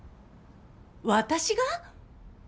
私が？